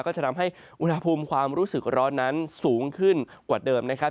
ก็จะทำให้อุณหภูมิความรู้สึกร้อนนั้นสูงขึ้นกว่าเดิมนะครับ